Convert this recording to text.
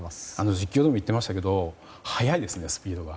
実況でも言ってましたけど速いですね、スピードが。